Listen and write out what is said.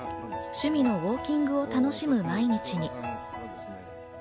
趣味のウオーキングを楽しむ毎日に。